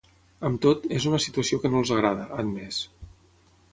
Amb tot, és una situació que no els agrada, ha admès.